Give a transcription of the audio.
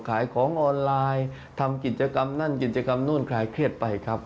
ขายของออนไลน์ทำกิจกรรมนั่นกิจกรรมนู่นคลายเครียดไปครับ